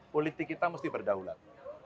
politik kita mesti berdaulat